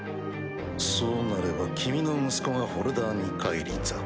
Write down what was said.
そうなれば君の息子がホルダーに返り咲く。